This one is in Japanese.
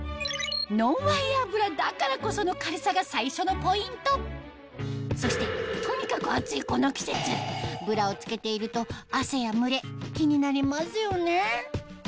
ノンワイヤーブラだからこその軽さが最初のポイントそしてとにかく暑いこの季節ブラを着けていると汗やムレ気になりますよね？